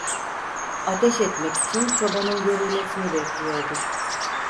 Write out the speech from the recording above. Ateş etmek için çobanın görülmesini bekliyordu.